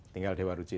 tinggal dewa ruchi